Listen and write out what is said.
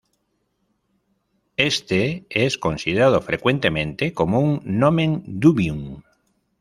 Este es considerado frecuentemente como un "nomen dubium".